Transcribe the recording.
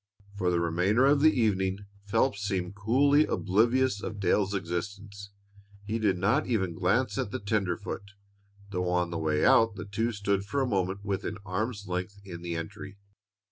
For the remainder of the evening Phelps seemed coolly oblivious of Dale's existence. He did not even glance at the tenderfoot, though on the way out the two stood for a moment within arm's length in the entry.